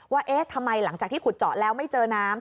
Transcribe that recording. ว่าเอ๊ะทำไมหลังจากที่ขุดเจาะแล้วไม่เจอน้ำ